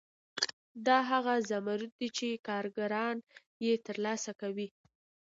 دا هغه مزد دی چې کارګران یې ترلاسه کوي